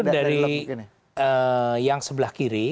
dari yang sebelah kiri